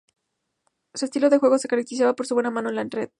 Su estilo de juego se caracterizaba por su buena mano en la red.